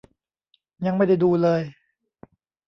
ยังไม่ได้ดูเลย